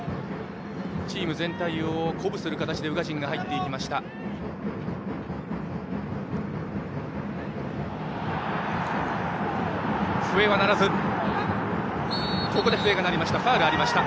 チーム全体を鼓舞する形で宇賀神が入っていきました。